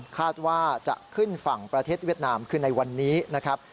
คาดว่าจะขึ้นฝั่งประเทศเวียดนามคือในวันนี้นะครับ